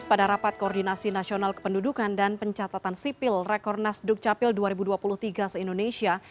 pada rapat koordinasi nasional kependudukan dan pencatatan sipil rekornas dukcapil dua ribu dua puluh tiga se indonesia